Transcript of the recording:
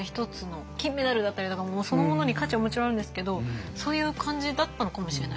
金メダルだったりとかもうそのものに価値はもちろんあるんですけどそういう感じだったのかもしれないですね。